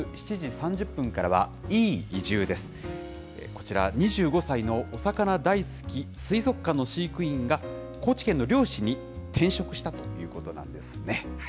こちら、２５歳のお魚大好き、水族館の飼育員が、高知県の漁師に転職したということなんですね。